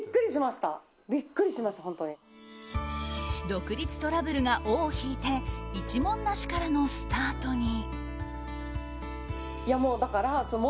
独立トラブルが尾を引いて一文なしからのスタートに。